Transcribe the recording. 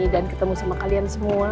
dan ketemu sama kalian semua